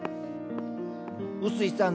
薄井さん